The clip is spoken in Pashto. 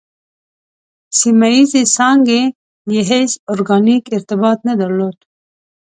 سیمه ییزې څانګې یې هېڅ ارګانیک ارتباط نه درلود.